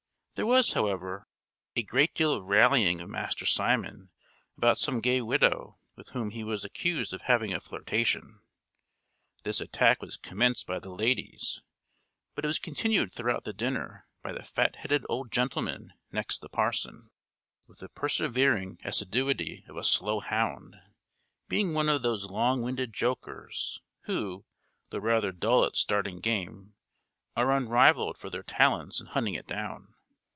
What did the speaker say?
There was, however, a great deal of rallying of Master Simon about some gay widow, with whom he was accused of having a flirtation. This attack was commenced by the ladies; but it was continued throughout the dinner by the fat headed old gentleman next the parson, with the persevering assiduity of a slow hound; being one of those long winded jokers, who, though rather dull at starting game, are unrivalled for their talents in hunting it down.